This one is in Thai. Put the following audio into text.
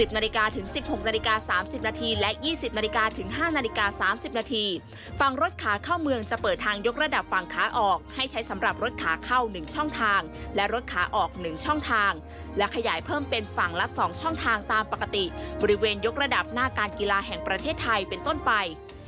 นาฬิกาถึง๑๖นาฬิกา๓๐นาทีและ๒๐นาฬิกาถึง๕นาฬิกา๓๐นาทีฝั่งรถขาเข้าเมืองจะเปิดทางยกระดับฝั่งขาออกให้ใช้สำหรับรถขาเข้า๑ช่องทางและรถขาออก๑ช่องทางและขยายเพิ่มเป็นฝั่งละ๒ช่องทางตามปกติบริเวณยกระดับหน้าการกีฬาแห่งประเทศไทยเป็นต้นไป